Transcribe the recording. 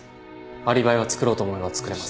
アリバイは作ろうと思えば作れます。